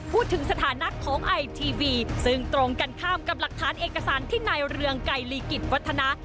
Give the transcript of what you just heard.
พูดถึงสถานะของไอทีวีซึ่งตรงกันข้ามกับหลักฐานเอกสารที่ในเรืองไกรลีกิจวัฒนะ